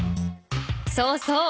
そうそう。